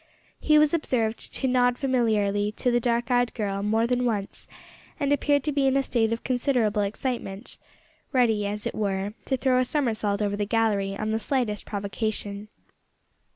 He was observed to nod familiarly to the dark eyed girl more than once, and appeared to be in a state of considerable excitement ready, as it were, to throw a somersault over the gallery on the slightest provocation.